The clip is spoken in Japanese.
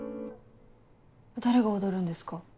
誰が踊るんですか？